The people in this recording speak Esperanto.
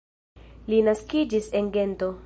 Li naskiĝis en Gento.